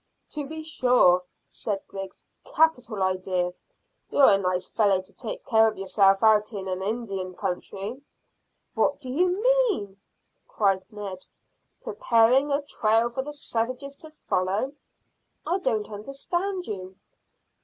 "To be sure," said Griggs; "capital idea. You're a nice fellow to take care of yourself out in an Indian country!" "What do you mean?" cried Ned. "Preparing a trail for the savages to follow." "I don't understand you."